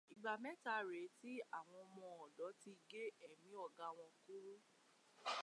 Ìgbà mẹ́ta rèé tí àwọn ọmọ ọ̀dọ̀ ti gé ẹ̀mí ọ̀gá wọn kúrú.